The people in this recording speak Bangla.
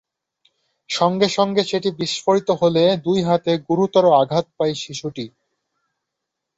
সঙ্গে সঙ্গে সেটি বিস্ফোরিত হলে দুই হাতে গুরুতর আঘাত পায় শিশুটি।